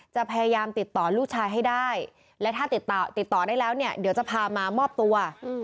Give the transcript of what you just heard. จะพยายามติดต่อลูกชายให้ได้และถ้าติดต่อได้แล้วเนี่ยเดี๋ยวจะพามามอบตัว